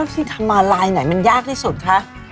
พี่ทำมาลายไหนมันยากที่สุดคะ